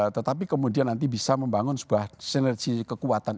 tetapi kemudian nanti bisa membangun sebuah sinergi kekuatan